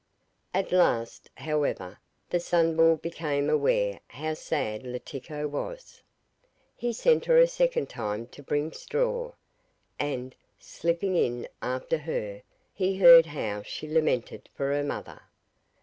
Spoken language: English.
At last, however, the Sunball became aware how sad Letiko was. He sent her a second time to bring straw, and, slipping in after her, he heard how she lamented for her mother.